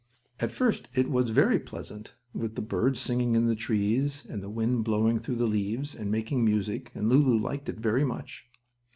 At first it was very pleasant with the birds singing in the trees, and the wind blowing through the leaves, and making music, and Lulu liked it very much.